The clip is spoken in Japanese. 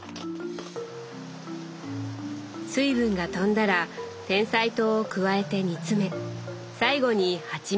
水分が飛んだらてんさい糖を加えて煮詰め最後にはちみつも。